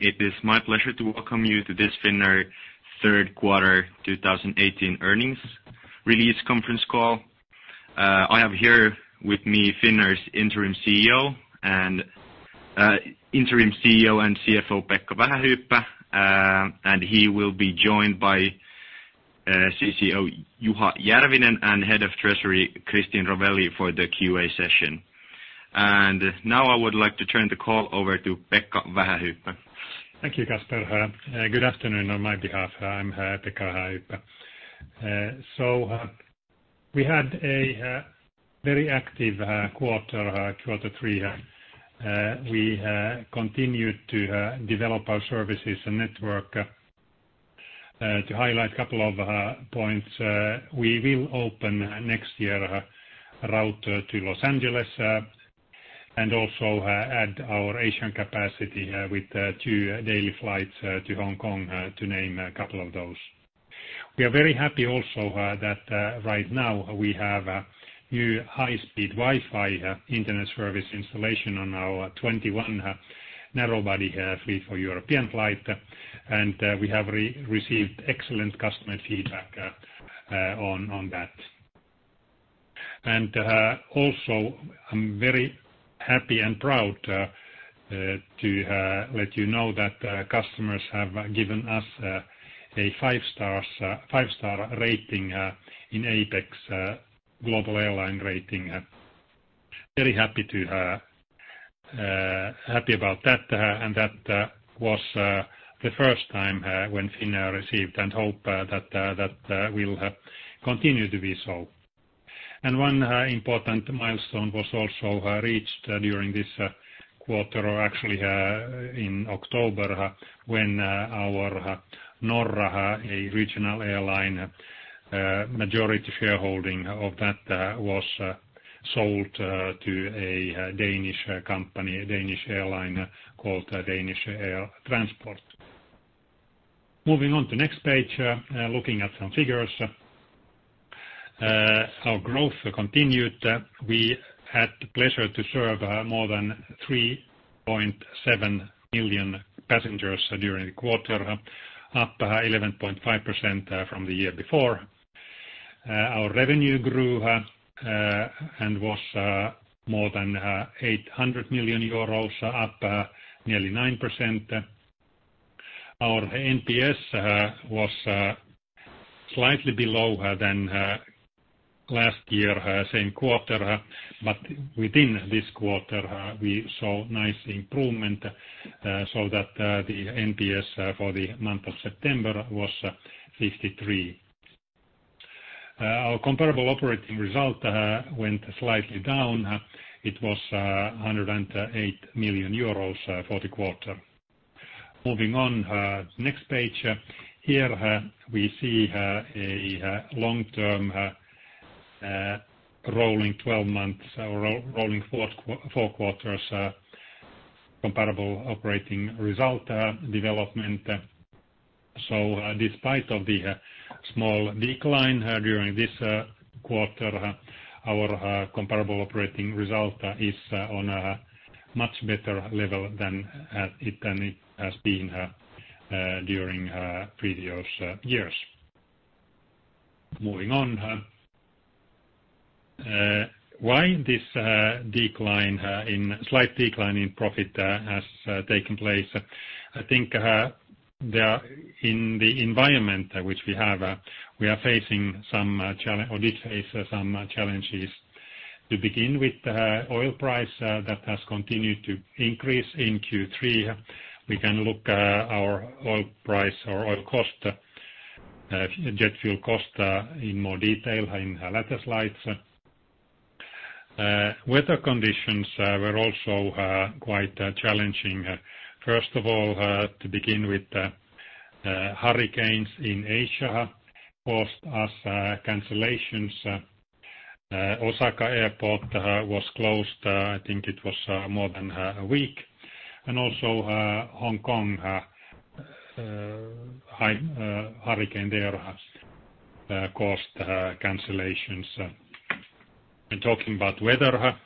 It is my pleasure to welcome you to this Finnair third quarter 2018 earnings release conference call. I have here with me Finnair's Interim CEO and CFO, Pekka Vähähyyppä, and he will be joined by CCO Juha Järvinen and Head of Treasury, Christine Rovelli, for the QA session. Now I would like to turn the call over to Pekka Vähähyyppä. Thank you, Kasper. Good afternoon on my behalf. I'm Pekka Vähähyyppä. We had a very active quarter three. We continued to develop our services and network. To highlight a couple of points, we will open next year a route to Los Angeles, and also add our Asian capacity with two daily flights to Hong Kong, to name a couple of those. We are very happy also that right now we have a new high-speed Wi-Fi internet service installation on our 21 narrow-body fleet for European flight, and we have received excellent customer feedback on that. Also, I'm very happy and proud to let you know that customers have given us a five-star rating in APEX Official Airline Ratings. Very happy about that, and that was the first time when Finnair received, and hope that will continue to be so. One important milestone was also reached during this quarter, or actually in October, when our Norra, a regional airline, majority shareholding of that was sold to a Danish airline called Danish Air Transport. Moving on to next page, looking at some figures. Our growth continued. We had the pleasure to serve more than 3.7 million passengers during the quarter, up 11.5% from the year before. Our revenue grew and was more than 800 million euros, up nearly 9%. Our NPS was slightly below than last year same quarter, but within this quarter, we saw nice improvement so that the NPS for the month of September was 53. Our comparable operating result went slightly down. It was 108 million euros for the quarter. Moving on. Next page. Here, we see a long-term rolling four quarters comparable operating result development. Despite of the small decline during this quarter, our comparable operating result is on a much better level than it has been during previous years. Moving on. Why this slight decline in profit has taken place? I think in the environment which we have, we did face some challenges to begin with. Oil price that has continued to increase in Q3. We can look our oil cost, jet fuel cost in more detail in later slides. Weather conditions were also quite challenging. First of all, to begin with hurricanes in Asia caused us cancellations. Osaka Airport was closed, I think it was more than a week. Also Hong Kong, hurricane there has caused cancellations. When talking about weather,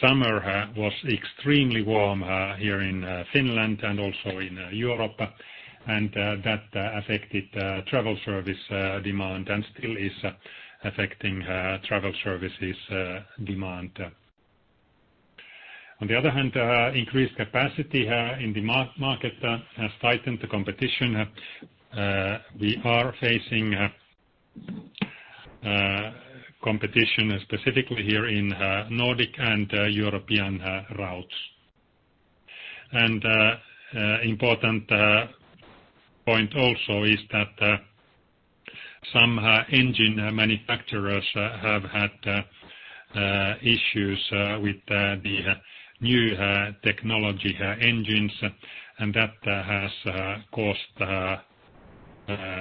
summer was extremely warm here in Finland and also in Europe, and that affected travel service demand and still is affecting travel services demand. On the other hand, increased capacity in the market has tightened the competition. We are facing competition specifically here in Nordic and European routes. Important point also is that some engine manufacturers have had issues with the new technology engines, and that has caused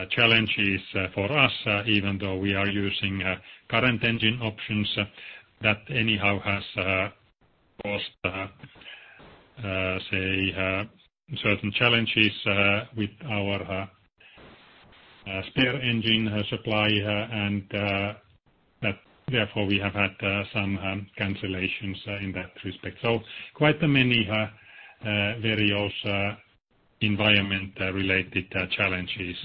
challenges for us, even though we are using current engine options. That anyhow has caused certain challenges with our A spare engine supply and therefore we have had some cancellations in that respect. Quite many various environment-related challenges.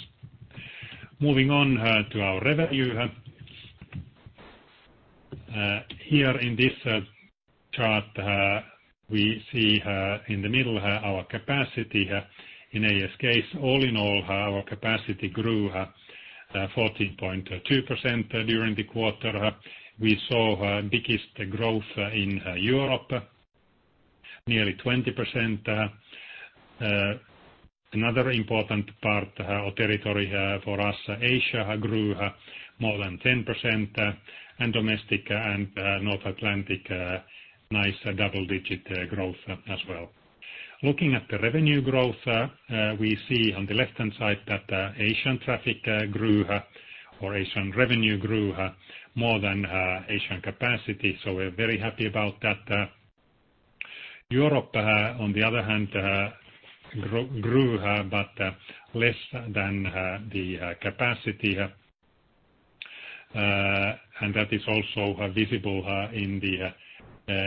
Moving on to our revenue. Here in this chart, we see in the middle our capacity in ASK. All in all, our capacity grew 14.2% during the quarter. We saw biggest growth in Europe, nearly 20%. Another important part or territory for us, Asia, grew more than 10%, and domestic and North Atlantic, nice double-digit growth as well. Looking at the revenue growth, we see on the left-hand side that Asian traffic grew, or Asian revenue grew more than Asian capacity, so we're very happy about that. Europe, on the other hand, grew, but less than the capacity. That is also visible in the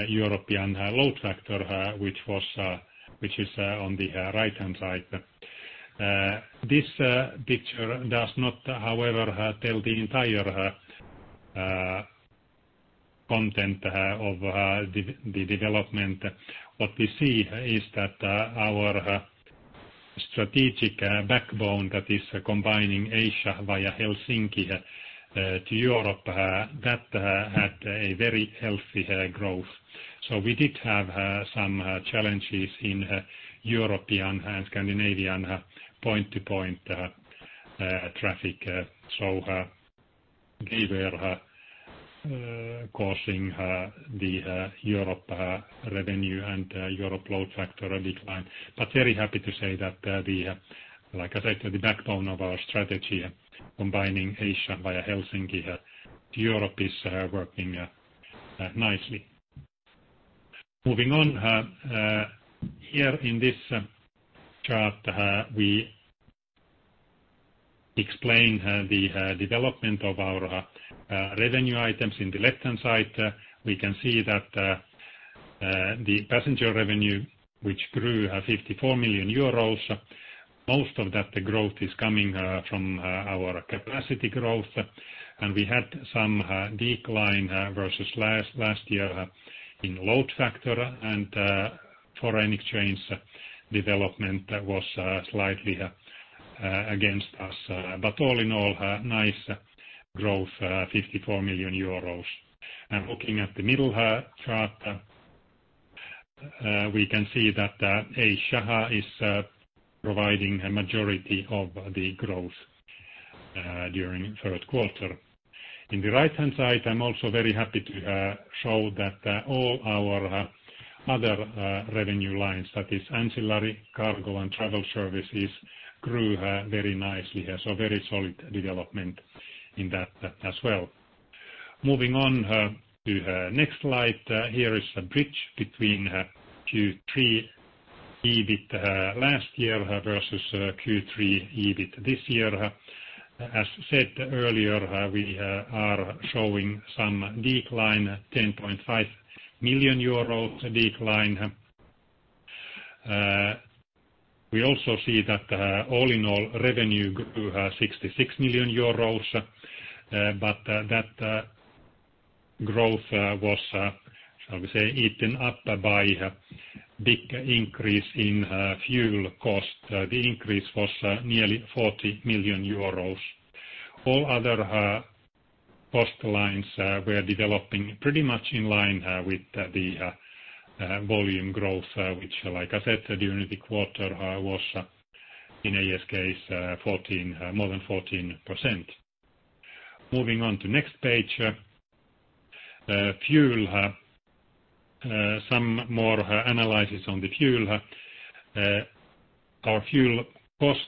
European load factor, which is on the right-hand side. This picture does not, however, tell the entire content of the development. What we see is that our strategic backbone that is combining Asia via Helsinki to Europe, that had a very healthy growth. We did have some challenges in European and Scandinavian point-to-point traffic. They were causing the Europe revenue and Europe load factor decline. Very happy to say that the, like I said, the backbone of our strategy, combining Asia via Helsinki to Europe is working nicely. Moving on. Here in this chart, we explain the development of our revenue items in the left-hand side. We can see that the passenger revenue, which grew 54 million euros, most of that growth is coming from our capacity growth, and we had some decline versus last year in load factor and foreign exchange development that was slightly against us. All in all, nice growth, 54 million euros. Looking at the middle chart, we can see that Asia is providing a majority of the growth during third quarter. In the right-hand side, I'm also very happy to show that all our other revenue lines, that is ancillary cargo and travel services, grew very nicely. Very solid development in that as well. Moving on to next slide. Here is a bridge between Q3 EBIT last year versus Q3 EBIT this year. As said earlier, we are showing some decline, 10.5 million euros decline. We also see that all in all, revenue grew 66 million euros, but that growth was, shall we say, eaten up by big increase in fuel cost. The increase was nearly 40 million euros. All other cost lines were developing pretty much in line with the volume growth, which, like I said, during the quarter was in ASK more than 14%. Moving on to next page. Fuel. Some more analysis on the fuel. Our fuel cost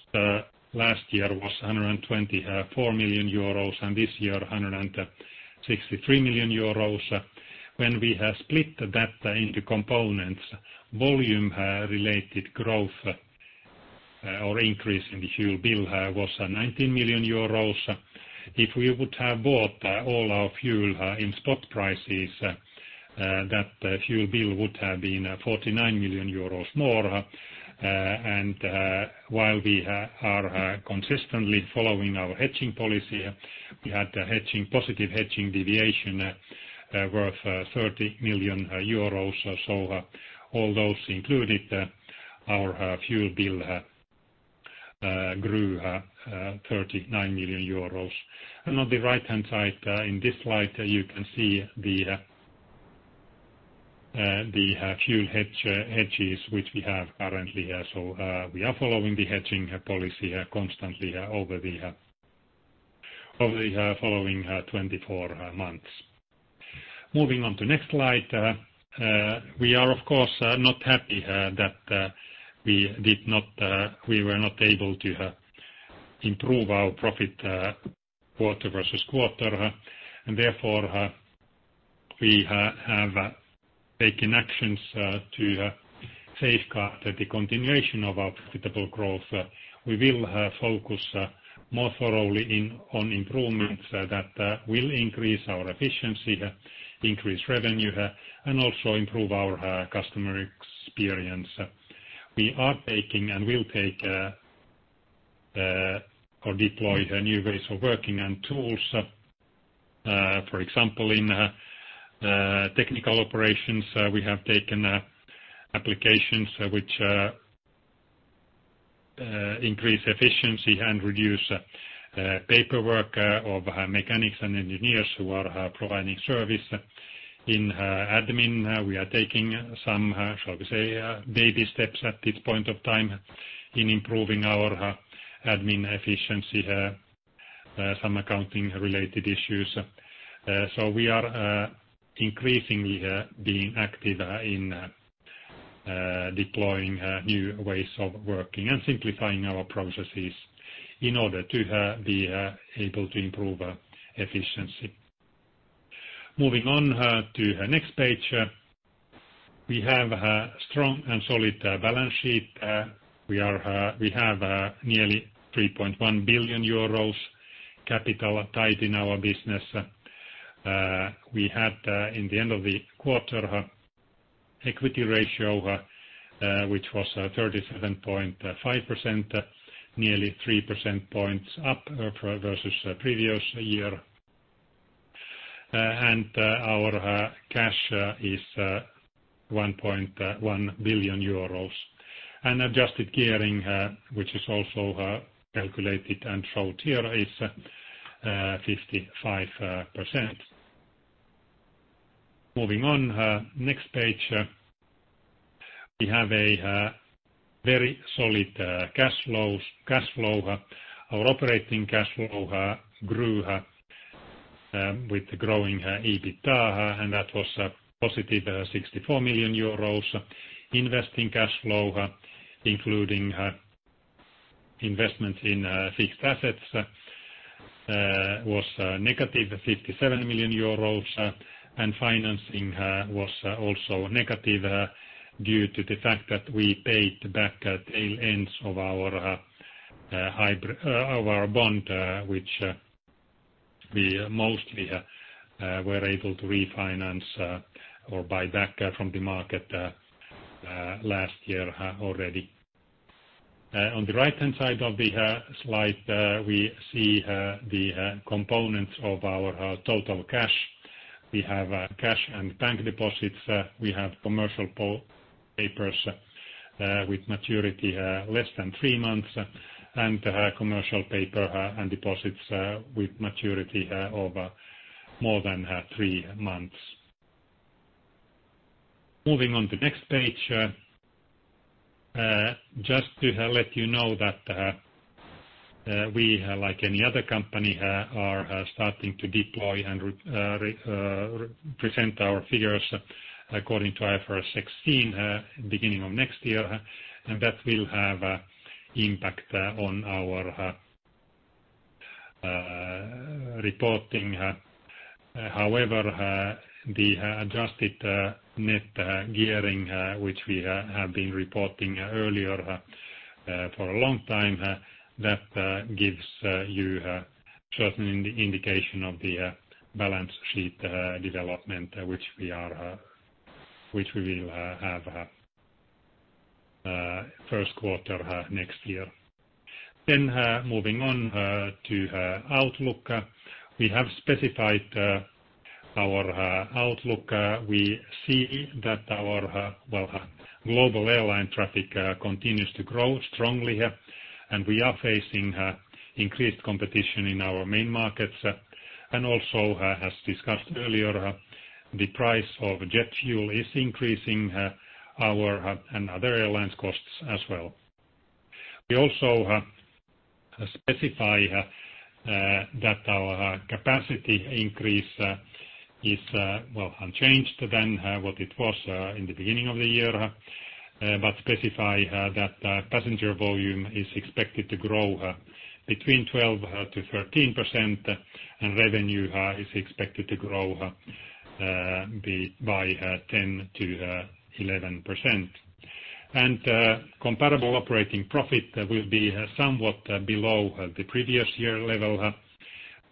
last year was 124 million euros, and this year 163 million euros. When we split that into components, volume-related growth or increase in the fuel bill was 19 million euros. If we would have bought all our fuel in spot prices, that fuel bill would have been 49 million euros more. While we are consistently following our hedging policy, we had positive hedging deviation worth 30 million euros or so. All those included, our fuel bill grew 39 million euros. On the right-hand side in this slide, you can see the fuel hedges which we have currently. We are following the hedging policy constantly over the following 24 months. Moving on to next slide. We are of course not happy that we were not able to improve our profit quarter-versus-quarter. We have taken actions to safeguard the continuation of our profitable growth. We will focus more thoroughly on improvements that will increase our efficiency, increase revenue, and also improve our customer experience. We are taking and will take or deploy new ways of working and tools. For example, in technical operations, we have taken applications which increase efficiency and reduce paperwork of mechanics and engineers who are providing service. In admin, we are taking some, shall we say, baby steps at this point of time in improving our admin efficiency, some accounting-related issues. We are increasingly being active in deploying new ways of working and simplifying our processes in order to be able to improve efficiency. Moving on to the next page. We have a strong and solid balance sheet. We have nearly 3.1 billion euros capital tied in our business. We had in the end of the quarter, equity ratio, which was 37.5%, nearly 3 percentage points up versus previous year. Our cash is 1.1 billion euros. Adjusted gearing, which is also calculated and showed here, is 55%. Moving on. Next page. We have a very solid cash flow. Our operating cash flow grew with the growing EBITDA, and that was positive 64 million euros. Investing cash flow, including investments in fixed assets, was negative 57 million euros. Financing was also negative due to the fact that we paid back tail ends of our bond which we mostly were able to refinance or buy back from the market last year already. On the right-hand side of the slide, we see the components of our total cash. We have cash and bank deposits. We have commercial papers with maturity less than three months and commercial paper and deposits with maturity of more than three months. Moving on to the next page. Just to let you know that we, like any other company, are starting to deploy and present our figures according to IFRS 16 beginning of next year, and that will have impact on our reporting. However, the adjusted net gearing which we have been reporting earlier for a long time, that gives you certain indication of the balance sheet development which we will have first quarter next year. Moving on to outlook. We have specified our outlook. We see that our global airline traffic continues to grow strongly. We are facing increased competition in our main markets. Also, as discussed earlier, the price of jet fuel is increasing our and other airlines' costs as well. We also specify that our capacity increase is unchanged than what it was in the beginning of the year, but specify that passenger volume is expected to grow between 12%-13% and revenue is expected to grow by 10%-11%. Comparable operating profit will be somewhat below the previous year level.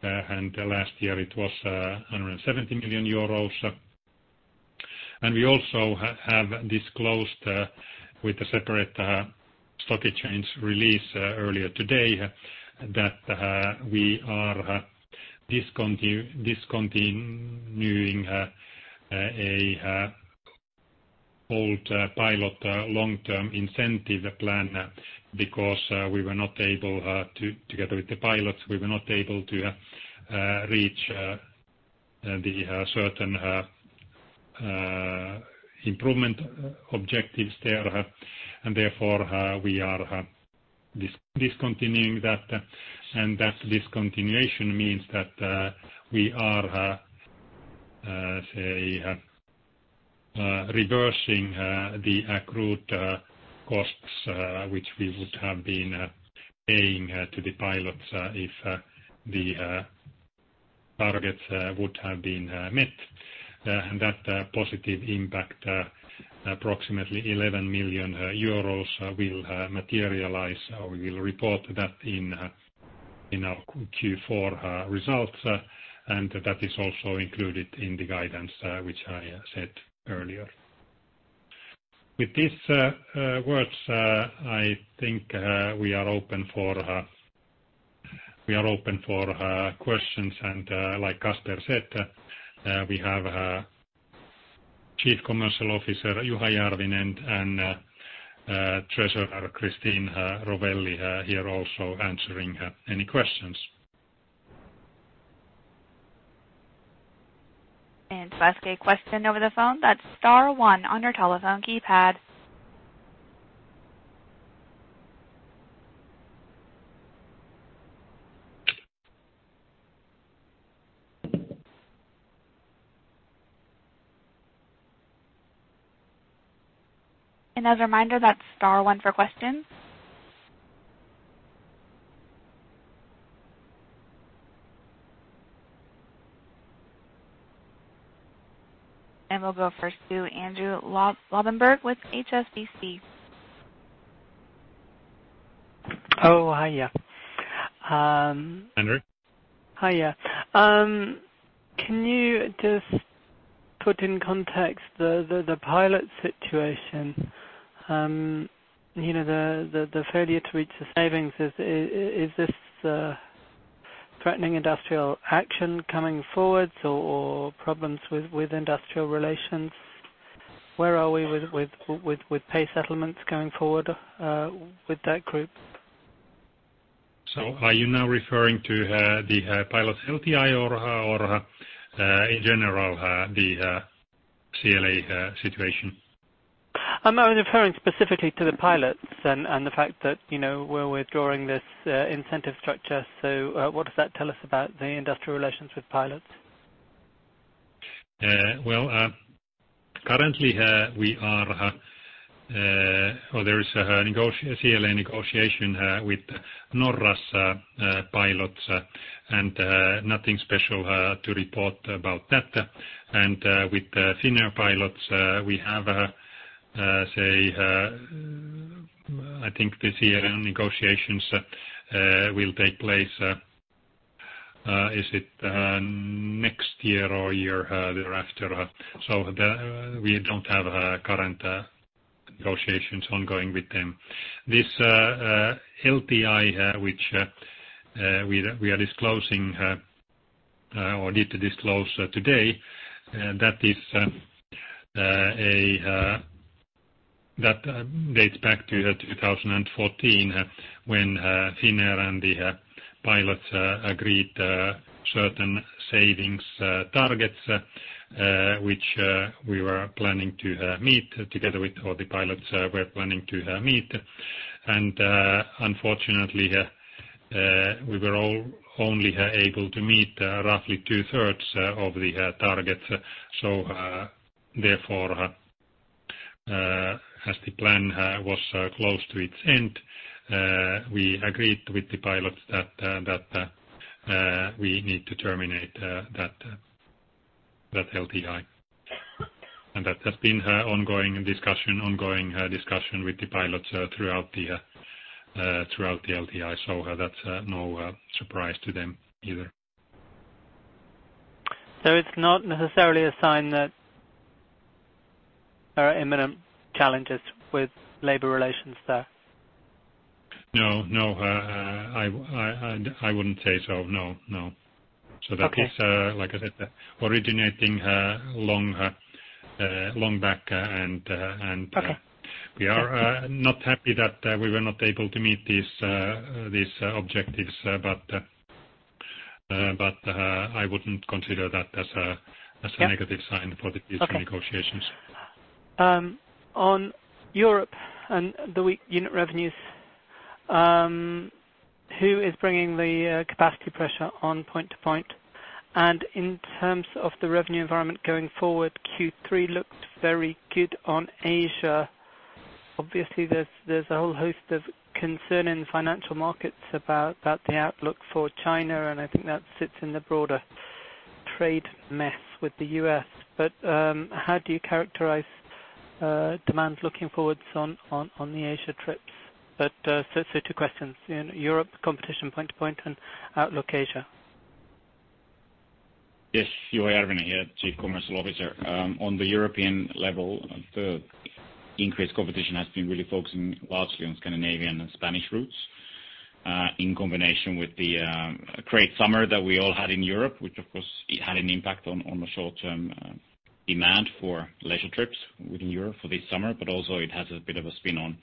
Last year, it was 170 million euros. We also have disclosed with a separate stock exchange release earlier today that we are discontinuing an old pilot long-term incentive plan because together with the pilots, we were not able to reach the certain improvement objectives there. Therefore, we are discontinuing that. That discontinuation means that we are, say reversing the accrued costs which we would have been paying to the pilots if the targets would have been met, and that positive impact, approximately 11 million euros, will materialize, or we will report that in our Q4 results. That is also included in the guidance, which I said earlier. With these words, I think we are open for questions and like Kasper said, we have Chief Commercial Officer Juha Järvinen and Treasurer Christine Rovelli here also answering any questions. To ask a question over the phone that's star one on your telephone keypad. As a reminder, that's star one for questions. We'll go first to Andrew Lobbenberg with HSBC. Oh, hiya. Andrew? Hiya. Can you just put in context the pilot situation? The failure to reach the savings, is this threatening industrial action coming forward or problems with industrial relations? Where are we with pay settlements going forward with that group? Are you now referring to the pilot LTI or in general the CLA situation? I'm referring specifically to the pilots and the fact that we're withdrawing this incentive structure. What does that tell us about the industrial relations with pilots? Well, currently there is a CLA negotiation with Norra pilots and nothing special to report about that. With Finnair pilots, we have, I think this year negotiations will take place, is it next year or year thereafter? We don't have current negotiations ongoing with them. This LTI which we are disclosing or need to disclose today, that dates back to 2014 when Finnair and the pilots agreed certain savings targets, which we were planning to meet together with all the pilots were planning to meet. Unfortunately, we were only able to meet roughly two-thirds of the target. Therefore, as the plan was close to its end, we agreed with the pilots that we need to terminate that LTI. That has been ongoing discussion with the pilots throughout the LTI. That's no surprise to them either. It's not necessarily a sign that there are imminent challenges with labor relations there? No, I wouldn't say so. No. Okay. That is, like I said, originating long back. Okay We are not happy that we were not able to meet these objectives. I wouldn't consider that as a negative sign for the future negotiations. Okay. On Europe and the weak unit revenues, who is bringing the capacity pressure on point to point? In terms of the revenue environment going forward, Q3 looked very good on Asia. Obviously, there's a whole host of concern in the financial markets about the outlook for China, and I think that sits in the broader trade mess with the U.S. How do you characterize demand looking forwards on the Asia trips? Two questions. In Europe, competition point to point and outlook Asia. Yes. Juha Järvinen here, Chief Commercial Officer. On the European level, the increased competition has been really focusing largely on Scandinavian and Spanish routes. In combination with the great summer that we all had in Europe, which of course, it had an impact on the short-term demand for leisure trips within Europe for this summer, but also it has a bit of a spin-on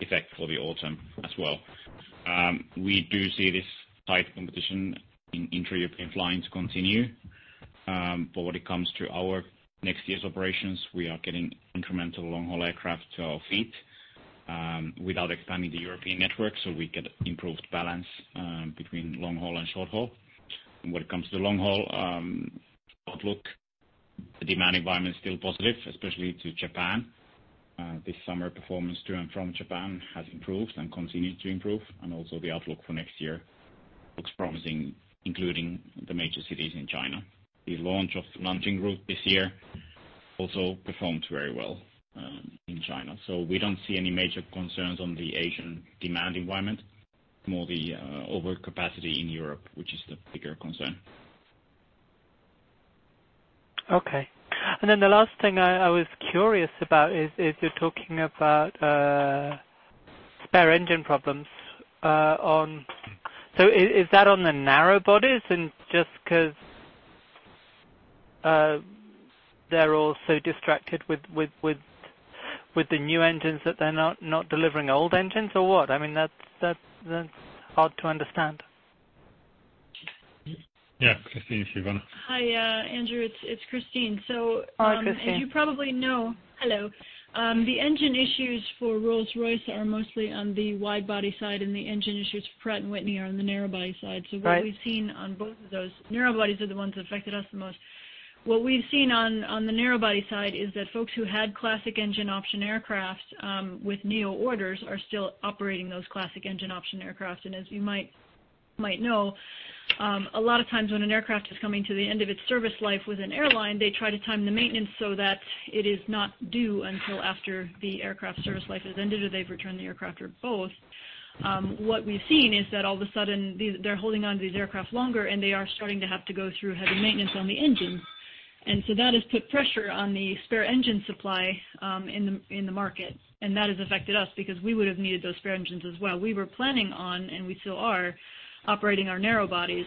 effect for the autumn as well. We do see this tight competition in intra-Europe airlines continue. When it comes to our next year's operations, we are getting incremental long-haul aircraft to our fleet Without expanding the European network, we get improved balance between long-haul and short-haul. When it comes to long-haul outlook, the demand environment is still positive, especially to Japan. This summer performance to and from Japan has improved and continues to improve, and also the outlook for next year looks promising, including the major cities in China. The launch of Nanjing route this year also performed very well in China. We don't see any major concerns on the Asian demand environment, more the overcapacity in Europe, which is the bigger concern. Okay. The last thing I was curious about is you're talking about spare engine problems. Is that on the narrow bodies and just because they're all so distracted with the new engines that they're not delivering old engines or what? That's hard to understand. Yeah. Christine, if you want to- Hi, Andrew. It's Christine. Hi, Christine. As you probably know. Hello. The engine issues for Rolls-Royce are mostly on the wide body side, and the engine issues for Pratt & Whitney are on the narrow body side. Right. What we've seen on both of those, narrow bodies are the ones that affected us the most. What we've seen on the narrow body side is that folks who had classic engine option aircraft with neo orders are still operating those classic engine option aircraft. As you might know, a lot of times when an aircraft is coming to the end of its service life with an airline, they try to time the maintenance so that it is not due until after the aircraft service life has ended, or they've returned the aircraft, or both. What we've seen is that all of a sudden they're holding onto these aircraft longer, and they are starting to have to go through heavy maintenance on the engines. That has put pressure on the spare engine supply in the market, and that has affected us because we would have needed those spare engines as well. We were planning on, and we still are, operating our narrow bodies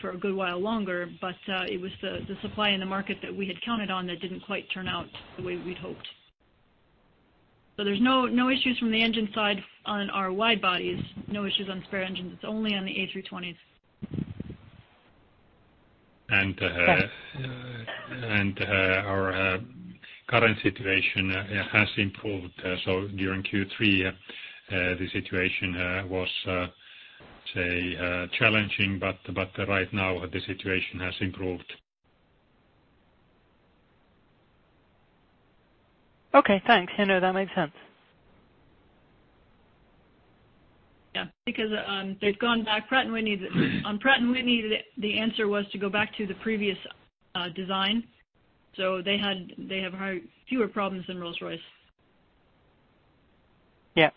for a good while longer. It was the supply in the market that we had counted on that didn't quite turn out the way we'd hoped. There's no issues from the engine side on our wide bodies, no issues on spare engines. It's only on the A320s. Our current situation has improved. During Q3, the situation was challenging. Right now, the situation has improved. Okay, thanks. That makes sense. Yeah, because they've gone back. On Pratt & Whitney, the answer was to go back to the previous design. They have fewer problems than Rolls-Royce. Yeah.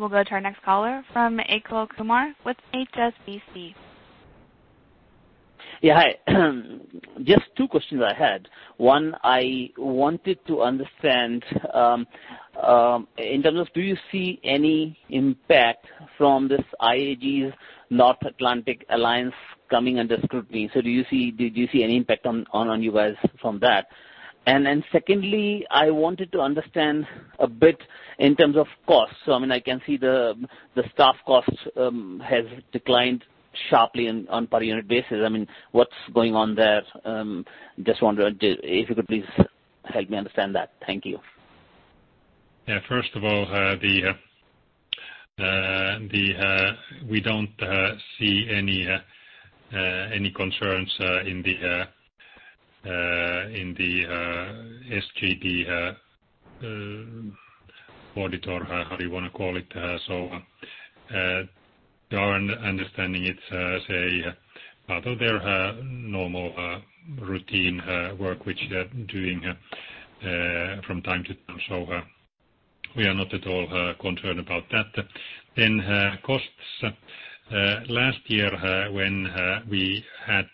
We'll go to our next caller from Achal Kumar with HSBC. Yeah, hi. Just two questions I had. One, I wanted to understand in terms of do you see any impact from this IAG's North Atlantic Alliance coming under scrutiny? Do you see any impact on you guys from that? Secondly, I wanted to understand a bit in terms of cost. I can see the staff costs has declined sharply on per unit basis. What's going on there? Just wonder if you could please help me understand that. Thank you. Yeah. First of all, we don't see any concerns in the IOSA audit or how you want to call it. Our understanding it as a part of their normal routine work, which they're doing from time to time. We are not at all concerned about that. Costs. Last year when we had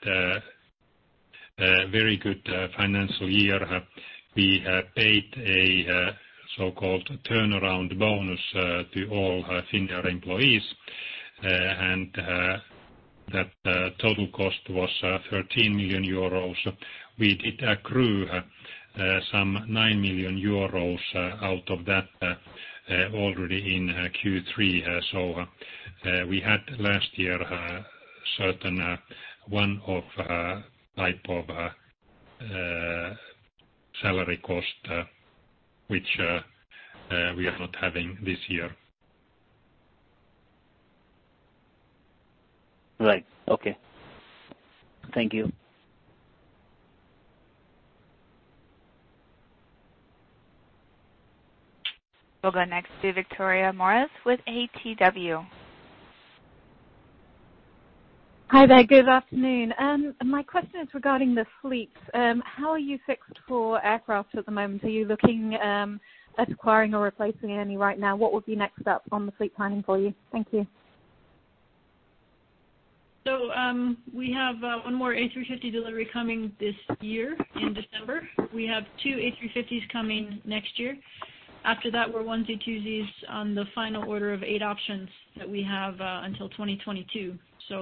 a very good financial year, we paid a so-called turnaround bonus to all Finnair employees, and that total cost was 13 million euros. We did accrue some 9 million euros out of that already in Q3. We had last year a certain one of type of salary cost, which we are not having this year. Right. Okay. Thank you. We'll go next to Victoria Moores with ATW. Hi there. Good afternoon. My question is regarding the fleets. How are you fixed for aircraft at the moment? Are you looking at acquiring or replacing any right now? What would be next up on the fleet planning for you? Thank you. We have one more A350 delivery coming this year in December. We have two A350s coming next year. After that, we're one C2Z on the final order of eight options that we have until 2022.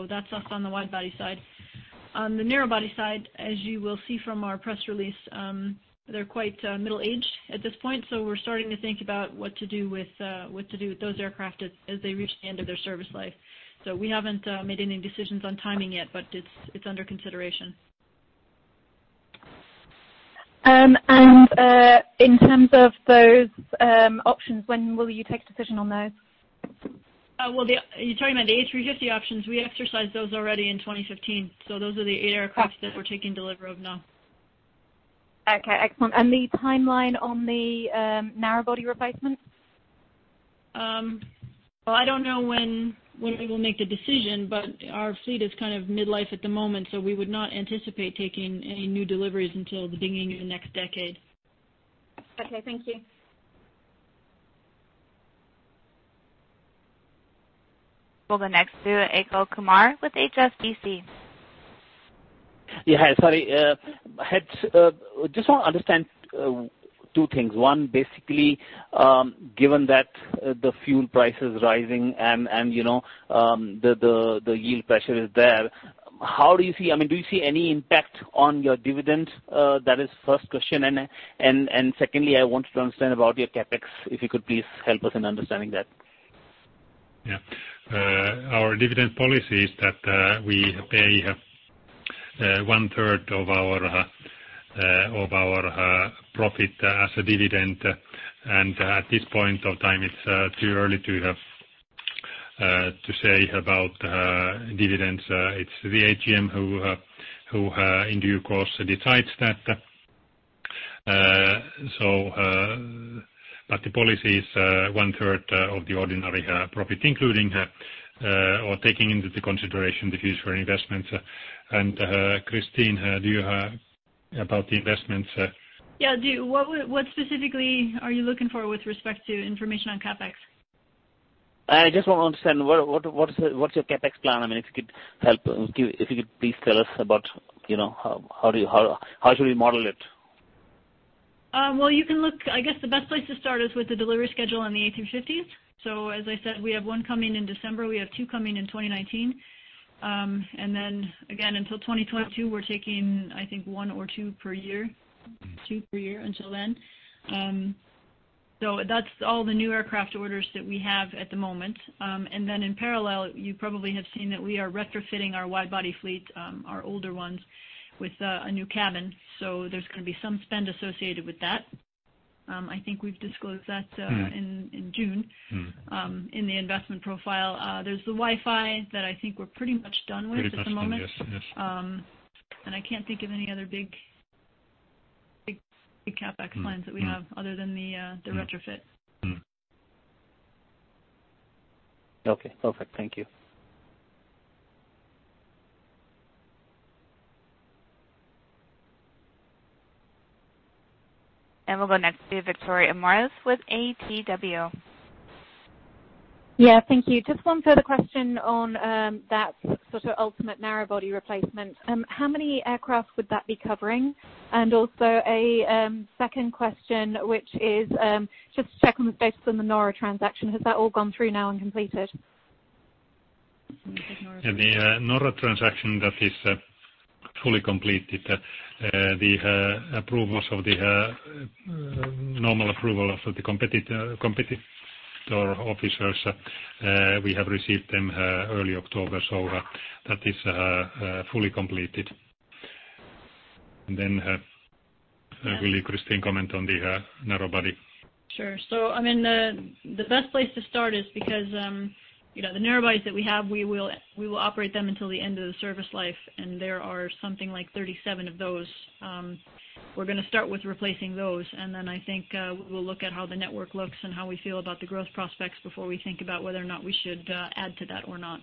That's us on the wide body side. On the narrow body side, as you will see from our press release, they're quite middle-aged at this point, so we're starting to think about what to do with those aircraft as they reach the end of their service life. We haven't made any decisions on timing yet, but it's under consideration. In terms of those options, when will you take a decision on those? You're talking about the A350 options, we exercised those already in 2015. Those are the eight aircrafts that we're taking delivery of now. Okay, excellent. The timeline on the narrow-body replacements? Well, I don't know when we will make the decision, but our fleet is kind of mid-life at the moment, so we would not anticipate taking any new deliveries until the beginning of the next decade. Okay, thank you. We'll go next to Achal Kumar with HSBC. Yeah. Hi, sorry. I just want to understand two things. One, basically, given that the fuel price is rising and the yield pressure is there, do you see any impact on your dividend? That is first question. Secondly, I want to understand about your CapEx, if you could please help us in understanding that. Yeah. Our dividend policy is that we pay one-third of our profit as a dividend. At this point of time, it's too early to say about dividends. It's the AGM who, in due course, decides that. The policy is one-third of the ordinary profit, including, or taking into the consideration the future investments. Christine, do you about the investments? Yeah, I do. What specifically are you looking for with respect to information on CapEx? I just want to understand what's your CapEx plan? If you could please tell us about how should we model it? I guess the best place to start is with the delivery schedule on the A350s. As I said, we have one coming in December. We have two coming in 2019. Then again, until 2022, we're taking, I think one or two per year. Two per year until then. That's all the new aircraft orders that we have at the moment. Then in parallel, you probably have seen that we are retrofitting our wide-body fleet, our older ones, with a new cabin. There's going to be some spend associated with that. I think we've disclosed that- -in June- -in the investment profile. There's the Wi-Fi that I think we're pretty much done with at the moment. Pretty much done, yes. I can't think of any other big CapEx plans that we have other than the retrofit. Okay, perfect. Thank you. We'll go next to Victoria Moores with ATW. Yeah, thank you. Just one further question on that sort of ultimate narrow-body replacement. How many aircraft would that be covering? And also a second question, which is, just checking based on the Norra transaction, has that all gone through now and completed? What's Norra? The Norra transaction, that is fully completed. The normal approval of the competitor officers, we have received them early October. That is fully completed. Will Christine comment on the narrow body? Sure. The best place to start is because the narrow bodies that we have, we will operate them until the end of the service life, and there are something like 37 of those. We're going to start with replacing those, and then I think we'll look at how the network looks and how we feel about the growth prospects before we think about whether or not we should add to that or not.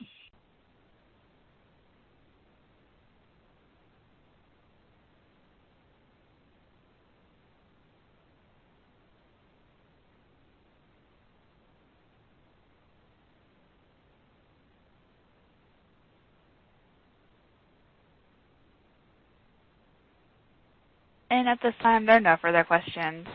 At this time, there are no further questions.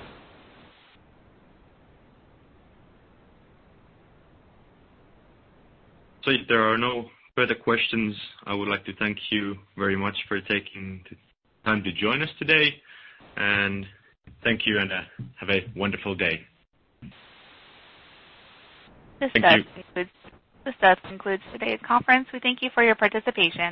If there are no further questions, I would like to thank you very much for taking the time to join us today. Thank you, and have a wonderful day. This does conclude today's conference. We thank you for your participation.